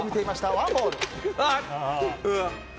ワンボール。